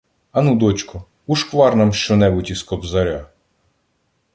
Ану, дочко, ушквар нам що- небудь із "Кобзаря"!